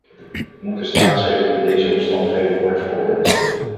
Moet de staatsgreep in deze omstandigheden worden veroordeeld?